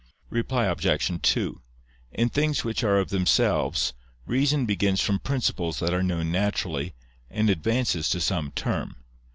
Reply Obj. 2: In things which are of themselves, reason begins from principles that are known naturally, and advances to some term.